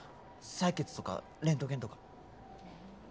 採血とかレントゲンとか。